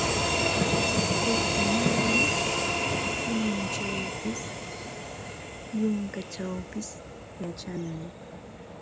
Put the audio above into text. Ukumaari suninchawpis, yunkachawpis yachanmi.